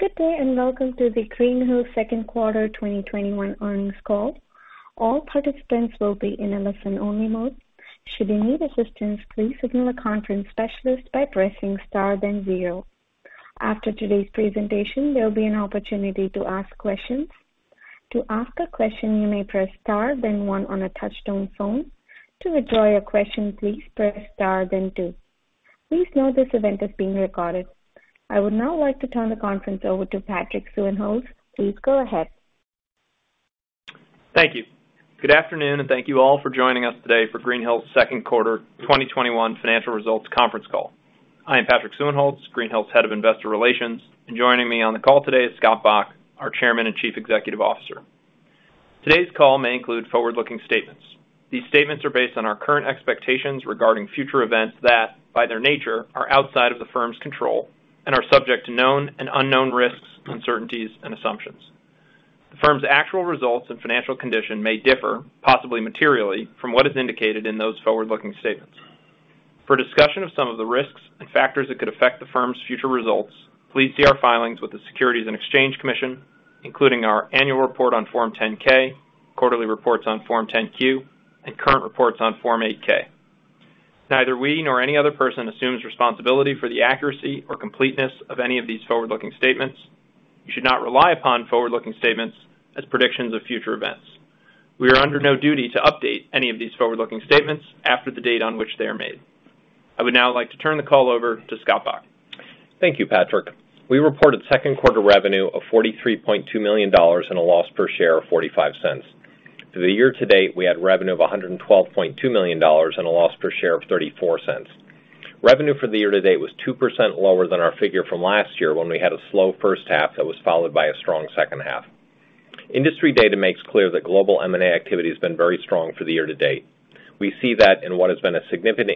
Good day, and welcome to the Greenhill second quarter 2021 earnings call. All participants will be in a listen-only mode. After today's presentation, there will be an opportunity to ask questions. Please note this event is being recorded. I would now like to turn the conference over to Patrick Suehnholz. Please go ahead. Thank you. Good afternoon, and thank you all for joining us today for Greenhill's second quarter 2021 financial results conference call. I am Patrick Suehnholz, Greenhill's Head of Investor Relations, and joining me on the call today is Scott Bok, our Chairman and Chief Executive Officer. Today's call may include forward-looking statements. These statements are based on our current expectations regarding future events that, by their nature, are outside of the firm's control and are subject to known and unknown risks, uncertainties, and assumptions. The firm's actual results and financial condition may differ, possibly materially, from what is indicated in those forward-looking statements. For a discussion of some of the risks and factors that could affect the firm's future results, please see our filings with the Securities and Exchange Commission, including our annual report on Form 10-K, quarterly reports on Form 10-Q, and current reports on Form 8-K. Neither we nor any other person assumes responsibility for the accuracy or completeness of any of these forward-looking statements. You should not rely upon forward-looking statements as predictions of future events. We are under no duty to update any of these forward-looking statements after the date on which they are made. I would now like to turn the call over to Scott Bok. Thank you, Patrick. We reported second quarter revenue of $43.2 million and a loss per share of $0.45. For the year-to-date, we had revenue of $112.2 million and a loss per share of $0.34. Revenue for the year-to-date was 2% lower than our figure from last year when we had a slow first half that was followed by a strong second half. Industry data makes clear that global M&A activity has been very strong for the year-to-date. We see that in what has been a significant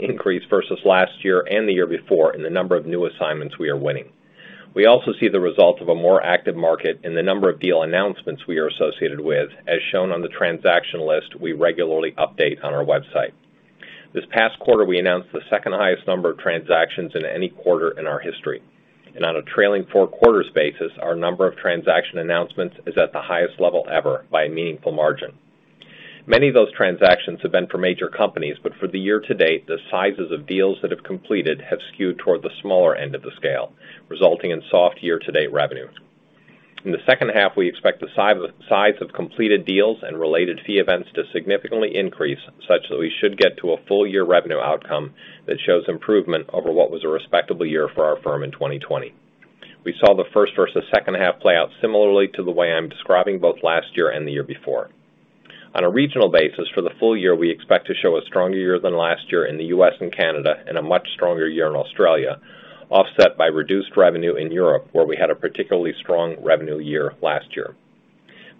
increase versus last year and the year before in the number of new assignments we are winning. We also see the result of a more active market in the number of deal announcements we are associated with, as shown on the transaction list we regularly update on our website. This past quarter, we announced the second highest number of transactions in any quarter in our history. On a trailing four quarters basis, our number of transaction announcements is at the highest level ever by a meaningful margin. Many of those transactions have been for major companies, but for the year-to-date, the sizes of deals that have completed have skewed toward the smaller end of the scale, resulting in soft year-to-date revenue. In the second half, we expect the size of completed deals and related fee events to significantly increase, such that we should get to a full-year revenue outcome that shows improvement over what was a respectable year for our firm in 2020. We saw the first versus second half play out similarly to the way I'm describing both last year and the year before. On a regional basis, for the full year, we expect to show a stronger year than last year in the U.S. and Canada and a much stronger year in Australia, offset by reduced revenue in Europe, where we had a particularly strong revenue year last year.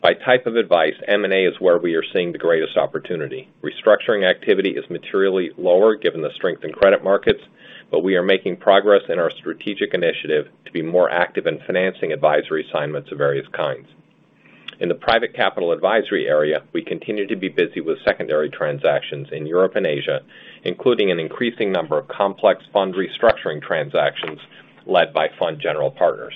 By type of advice, M&A is where we are seeing the greatest opportunity. Restructuring activity is materially lower given the strength in credit markets, but we are making progress in our strategic initiative to be more active in financing advisory assignments of various kinds. In the private capital advisory area, we continue to be busy with secondary transactions in Europe and Asia, including an increasing number of complex fund restructuring transactions led by fund general partners.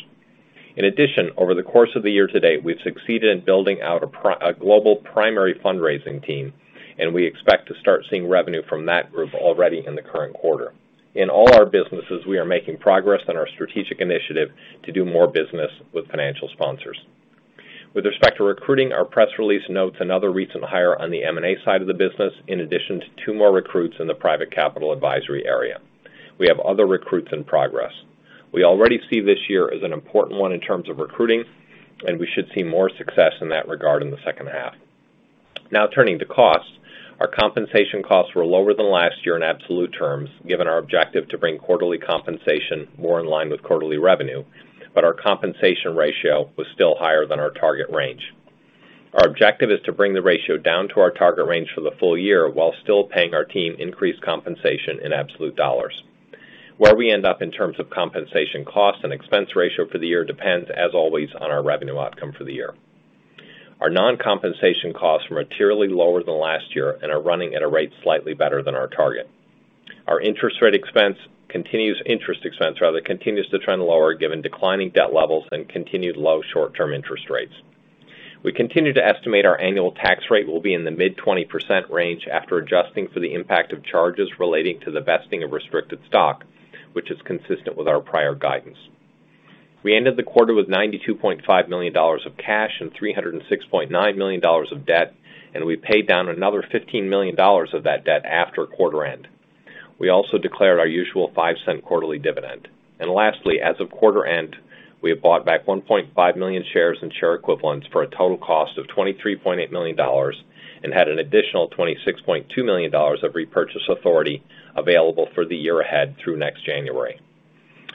In addition, over the course of the year-to-date, we've succeeded in building out a global primary fundraising team, and we expect to start seeing revenue from that group already in the current quarter. In all our businesses, we are making progress on our strategic initiative to do more business with financial sponsors. With respect to recruiting, our press release notes another recent hire on the M&A side of the business, in addition to two more recruits in the private capital advisory area. We have other recruits in progress. We already see this year as an important one in terms of recruiting, and we should see more success in that regard in the second half. Now turning to costs. Our compensation costs were lower than last year in absolute terms, given our objective to bring quarterly compensation more in line with quarterly revenue, but our compensation ratio was still higher than our target range. Our objective is to bring the ratio down to our target range for the full year while still paying our team increased compensation in absolute dollars. Where we end up in terms of compensation costs and expense ratio for the year depends, as always, on our revenue outcome for the year. Our non-compensation costs were materially lower than last year and are running at a rate slightly better than our target. Our interest expense continues to trend lower given declining debt levels and continued low short-term interest rates. We continue to estimate our annual tax rate will be in the mid-20% range after adjusting for the impact of charges relating to the vesting of restricted stock, which is consistent with our prior guidance. We ended the quarter with $92.5 million of cash and $306.9 million of debt, and we paid down another $15 million of that debt after quarter end. We also declared our usual $0.05 quarterly dividend. Lastly, as of quarter end, we have bought back 1.5 million shares and share equivalents for a total cost of $23.8 million and had an additional $26.2 million of repurchase authority available for the year ahead through next January.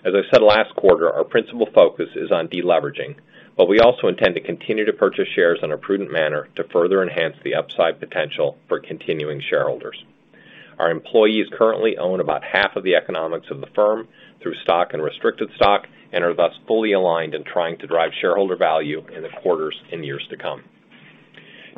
As I said last quarter, our principal focus is on deleveraging, but we also intend to continue to purchase shares in a prudent manner to further enhance the upside potential for continuing shareholders. Our employees currently own about half of the economics of the firm through stock and restricted stock and are thus fully aligned in trying to drive shareholder value in the quarters and years to come.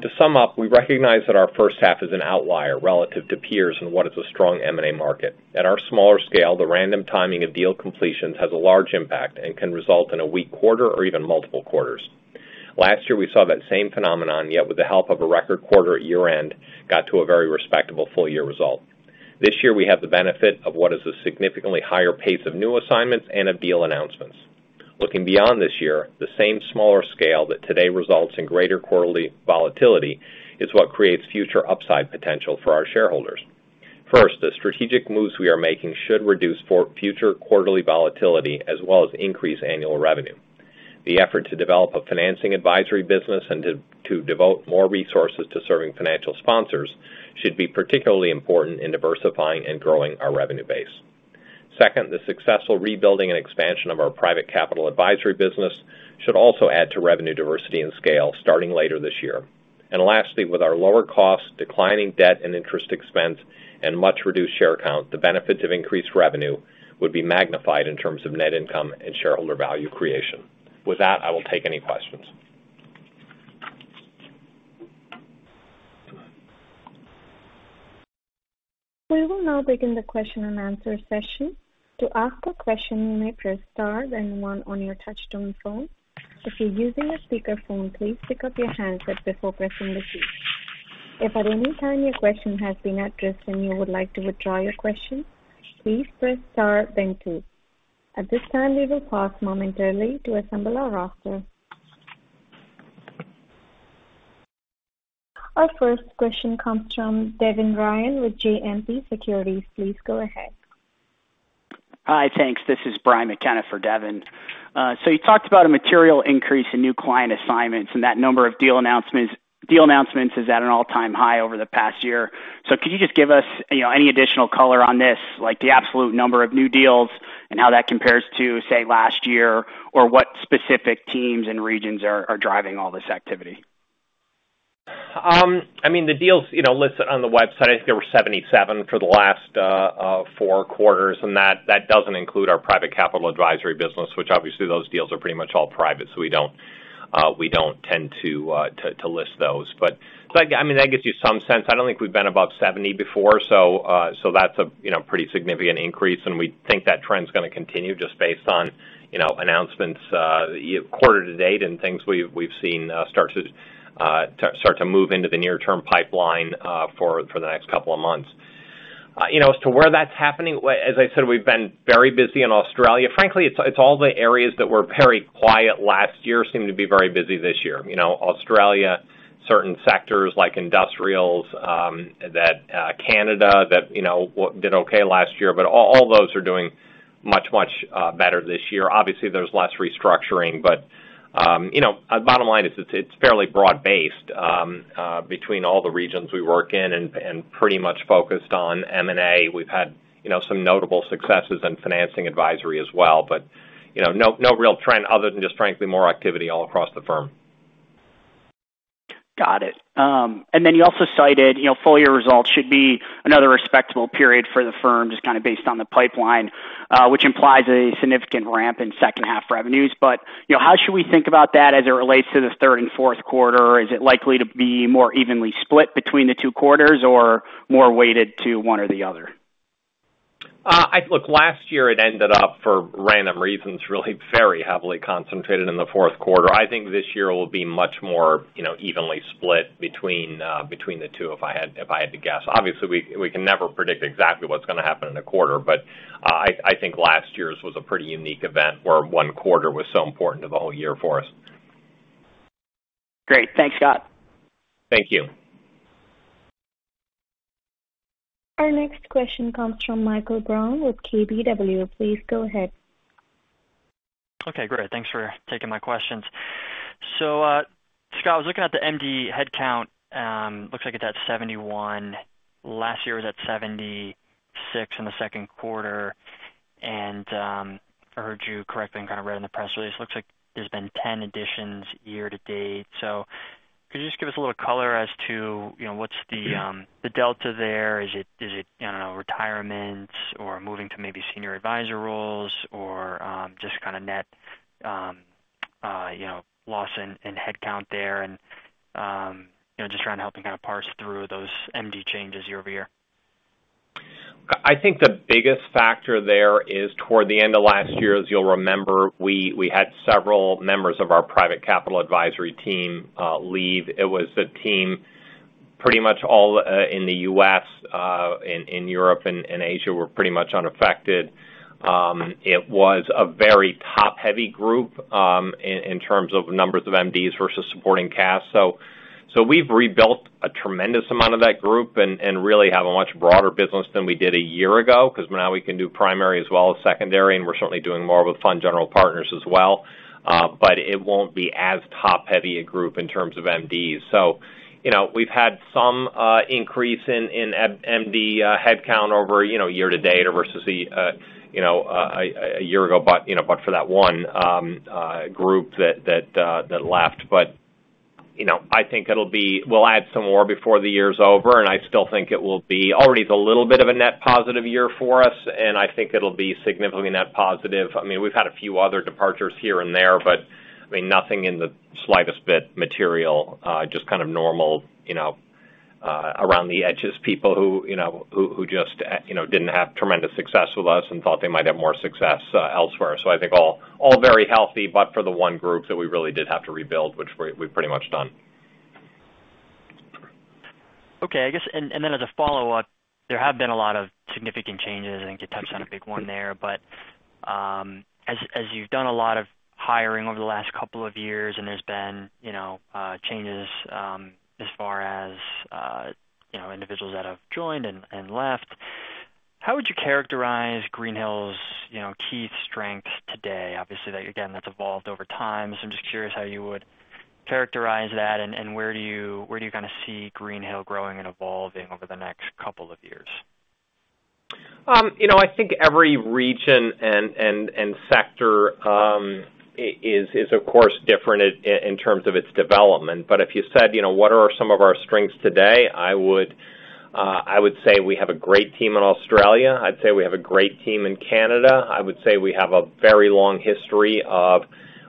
To sum up, we recognize that our first half is an outlier relative to peers in what is a strong M&A market. At our smaller scale, the random timing of deal completions has a large impact and can result in a weak quarter or even multiple quarters. Last year, we saw that same phenomenon, yet with the help of a record quarter at year-end, got to a very respectable full-year result. This year, we have the benefit of what is a significantly higher pace of new assignments and of deal announcements. Looking beyond this year, the same smaller scale that today results in greater quarterly volatility is what creates future upside potential for our shareholders. First, the strategic moves we are making should reduce future quarterly volatility as well as increase annual revenue. The effort to develop a financing advisory business and to devote more resources to serving financial sponsors should be particularly important in diversifying and growing our revenue base. Second, the successful rebuilding and expansion of our private capital advisory business should also add to revenue diversity and scale starting later this year. Lastly, with our lower cost, declining debt and interest expense, and much reduced share count, the benefit of increased revenue would be magnified in terms of net income and shareholder value creation. With that, I will take any questions. Our first question comes from Devin Ryan with JMP Securities. Please go ahead. Hi, thanks. This is Brian McKenna for Devin. You talked about a material increase in new client assignments, and that number of deal announcements is at an all-time high over the past year. Could you just give us any additional color on this, like the absolute number of new deals and how that compares to, say, last year, or what specific teams and regions are driving all this activity? The deals listed on the website, I think there were 77 for the last four quarters, and that doesn't include our Private Capital Advisory Business, which obviously those deals are pretty much all private, so we don't tend to list those. That gives you some sense. I don't think we've been above 70 before, so that's a pretty significant increase, and we think that trend's going to continue just based on announcements quarter to date and things we've seen start to move into the near-term pipeline for the next couple of months. As to where that's happening, as I said, we've been very busy in Australia. Frankly, it's all the areas that were very quiet last year seem to be very busy this year. Australia, certain sectors like industrials, Canada, that did okay last year, but all those are doing much better this year. Obviously, there's less restructuring, but bottom line is it's fairly broad-based between all the regions we work in and pretty much focused on M&A. We've had some notable successes in financing advisory as well, but no real trend other than just frankly more activity all across the firm. Got it. You also cited full-year results should be another respectable period for the firm, just based on the pipeline, which implies a significant ramp in second half revenues. How should we think about that as it relates to the third and fourth quarter? Is it likely to be more evenly split between the two quarters or more weighted to one or the other? Last year it ended up for random reasons, really very heavily concentrated in the fourth quarter. I think this year will be much more evenly split between the two, if I had to guess. We can never predict exactly what's going to happen in a quarter, but I think last year's was a pretty unique event where one quarter was so important to the whole year for us. Great. Thanks, Scott. Thank you. Our next question comes from Michael Brown with KBW. Please go ahead. Okay, great. Thanks for taking my questions. Scott, I was looking at the MD headcount. Looks like it's at 71. Last year was at 76 in the second quarter. I heard you correctly and read in the press release, looks like there's been 10 additions year-to-date. Could you just give us a little color as to what's the delta there? Is it retirements or moving to maybe senior advisor roles or just net loss in headcount there and just trying to help me parse through those MD changes year-over-year? I think the biggest factor there is toward the end of last year, as you'll remember, we had several members of our private capital advisory team leave. It was the team pretty much all in the U.S. In Europe and Asia, we're pretty much unaffected. It was a very top-heavy group in terms of numbers of MDs versus supporting cast. We've rebuilt a tremendous amount of that group and really have a much broader business than we did a year ago because now we can do primary as well as secondary, and we're certainly doing more with fund general partners as well. It won't be as top-heavy a group in terms of MDs. We've had some increase in MD headcount over year to date versus a year ago, but for that one group that left. I think we'll add some more before the year is over, and I still think it will be already a little bit of a net positive year for us, and I think it'll be significantly net positive. We've had a few other departures here and there, but nothing in the slightest bit material, just normal, around the edges, people who just didn't have tremendous success with us and thought they might have more success elsewhere. I think all very healthy, but for the one group that we really did have to rebuild, which we've pretty much done. Okay. Then as a follow-up, there have been a lot of significant changes, and you touched on a big one there. As you've done a lot of hiring over the last couple of years, and there's been changes as far as individuals that have joined and left. How would you characterize Greenhill's key strengths today? Obviously, again, that's evolved over time. I'm just curious how you would characterize that and where do you see Greenhill growing and evolving over the next couple of years? I think every region and sector is, of course, different in terms of its development. But if you said, what are some of our strengths today, I would say we have a great team in Australia. I'd say we have a great team in Canada. I would say we have a very long history of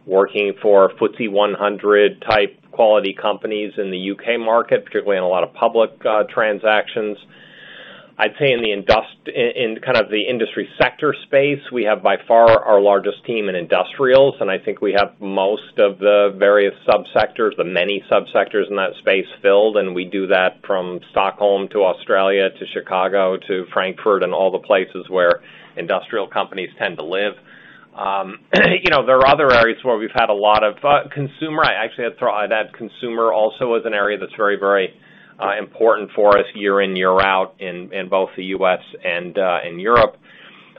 working for FTSE 100-type quality companies in the U.K. market, particularly in a lot of public transactions. I'd say in the industry sector space, we have by far our largest team in industrials, and I think we have most of the various sub-sectors, the many sub-sectors in that space filled, and we do that from Stockholm to Australia, to Chicago to Frankfurt and all the places where industrial companies tend to live. There are other areas where we've had a lot of consumer, I actually add consumer also as an area that's very important for us year in, year out in both the U.S. and in Europe.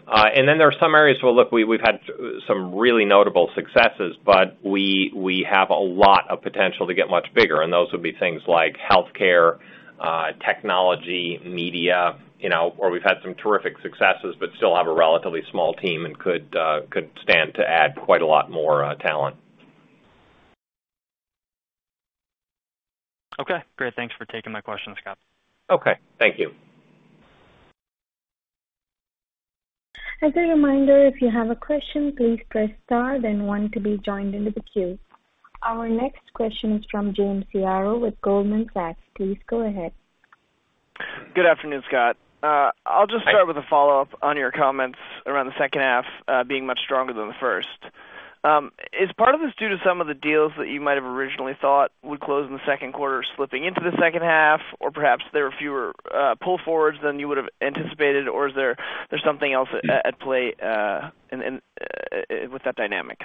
Then there are some areas where, look, we've had some really notable successes, but we have a lot of potential to get much bigger, and those would be things like healthcare, technology, media, where we've had some terrific successes, but still have a relatively small team and could stand to add quite a lot more talent. Okay, great. Thanks for taking my questions, Scott. Okay. Thank you. As a reminder, if you have a question, please press star then one to be joined into the queue. Our next question is from James Yaro with Goldman Sachs. Please go ahead. Good afternoon, Scott. I'll just start with a follow-up on your comments around the second half being much stronger than the first. Is part of this due to some of the deals that you might have originally thought would close in the second quarter slipping into the second half? Or perhaps there were fewer pull forwards than you would've anticipated? Or is there something else at play with that dynamic?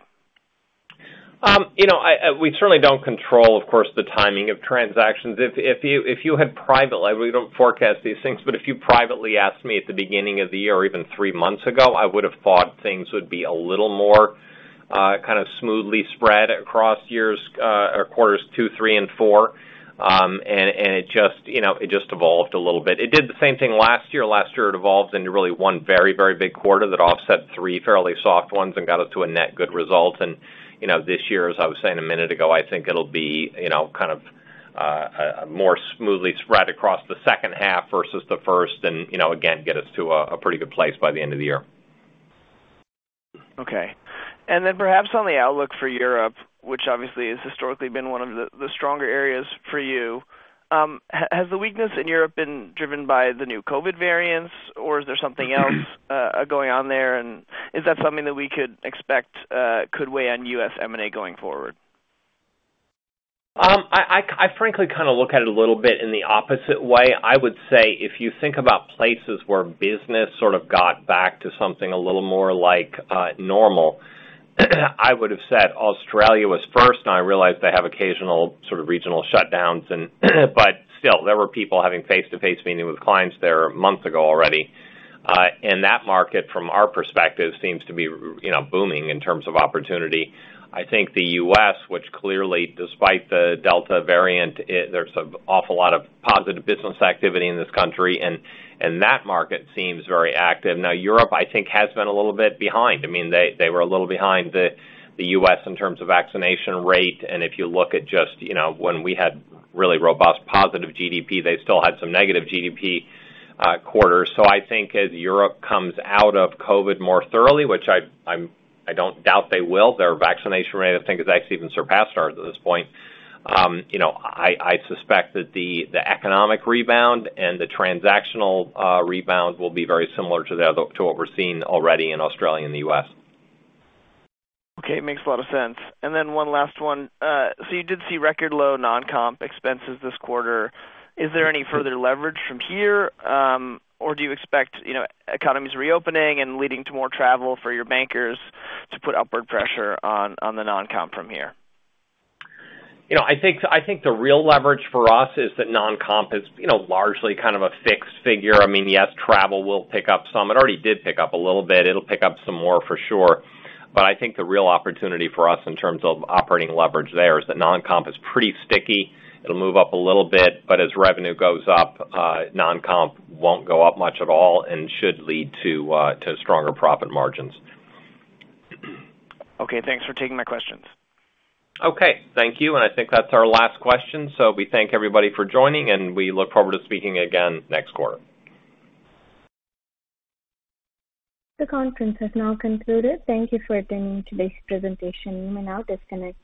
We certainly don't control, of course, the timing of transactions. We don't forecast these things, but if you privately asked me at the beginning of the year or even three months ago, I would've thought things would be a little more smoothly spread across quarters two, three, and four. It just evolved a little bit. It did the same thing last year. Last year, it evolved into really one very big quarter that offset three fairly soft ones and got us to a net good result. This year, as I was saying a minute ago, I think it'll be more smoothly spread across the second half versus the first and again, get us to a pretty good place by the end of the year. Okay. Then perhaps on the outlook for Europe, which obviously has historically been one of the stronger areas for you. Has the weakness in Europe been driven by the new COVID variants, or is there something else going on there? Is that something that we could expect could weigh on U.S. M&A going forward? I frankly look at it a little bit in the opposite way. I would say if you think about places where business sort of got back to something a little more like normal, I would've said Australia was first. I realize they have occasional sort of regional shutdowns. Still, there were people having face-to-face meetings with clients there months ago already. That market, from our perspective, seems to be booming in terms of opportunity. I think the U.S., which clearly, despite the Delta variant, there's an awful lot of positive business activity in this country. That market seems very active. Europe, I think, has been a little bit behind. They were a little behind the U.S. in terms of vaccination rate. If you look at just when we had really robust positive GDP, they still had some negative GDP quarters. I think as Europe comes out of COVID more thoroughly, which I don't doubt they will, their vaccination rate, I think, has actually even surpassed ours at this point. I suspect that the economic rebound and the transactional rebound will be very similar to what we're seeing already in Australia and the U.S. Okay. Makes a lot of sense. One last one. You did see record low non-comp expenses this quarter. Is there any further leverage from here? Do you expect economies reopening and leading to more travel for your bankers to put upward pressure on the non-comp from here? I think the real leverage for us is that non-comp is largely kind of a fixed figure. Yes, travel will pick up some. It already did pick up a little bit. It'll pick up some more for sure. I think the real opportunity for us in terms of operating leverage there is that non-comp is pretty sticky. It'll move up a little bit, but as revenue goes up, non-comp won't go up much at all and should lead to stronger profit margins. Okay, thanks for taking my questions. Okay, thank you. I think that's our last question. We thank everybody for joining. We look forward to speaking again next quarter. The conference has now concluded. Thank you for attending today's presentation. You may now disconnect.